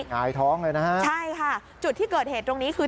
หงายท้องเลยนะฮะใช่ค่ะจุดที่เกิดเหตุตรงนี้คือ